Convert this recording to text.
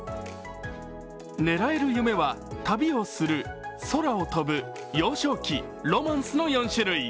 狙える夢は、旅をスル、空を飛ぶ、幼少期、ロマンスの４種類。